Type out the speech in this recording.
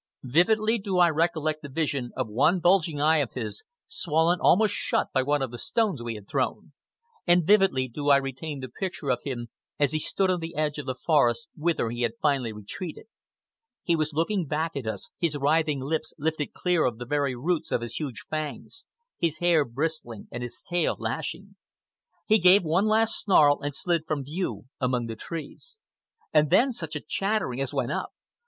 Vividly do I recollect the vision of one bulging eye of his, swollen almost shut by one of the stones we had thrown. And vividly do I retain the picture of him as he stood on the edge of the forest whither he had finally retreated. He was looking back at us, his writhing lips lifted clear of the very roots of his huge fangs, his hair bristling and his tail lashing. He gave one last snarl and slid from view among the trees. And then such a chattering as went up.